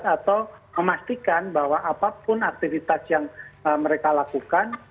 atau memastikan bahwa apapun aktivitas yang mereka lakukan